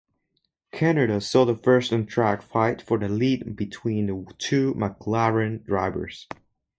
Canada saw the first on-track fight for the lead between the two McLaren drivers.